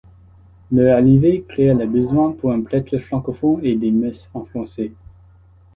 Leur arrivée créa le besoin pour un prêtre francophone et des messes en français.